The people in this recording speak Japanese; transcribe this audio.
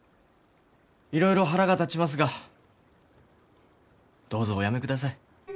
いろいろ腹が立ちますがどうぞお辞めください。